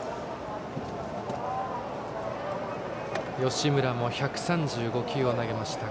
吉村も１３５球を投げました。